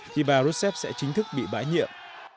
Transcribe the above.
thì bà rousseff sẽ chính thức bị bãi nhiệm